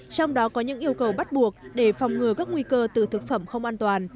trong đó có những yêu cầu bắt buộc để phòng ngừa các nguy cơ từ thực phẩm không an toàn